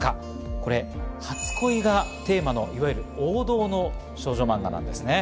これ、初恋がテーマの王道の少女漫画なんですね。